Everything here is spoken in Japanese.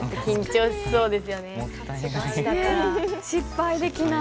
失敗できない。